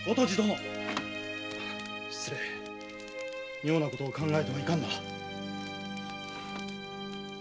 妙なことを考えてはいかんな。